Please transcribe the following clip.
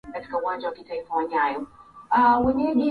ugonjwa huu huku mbu wale wengine kama vile nzi wa kuuma